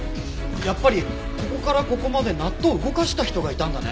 やっぱりここからここまで納豆を動かした人がいたんだね。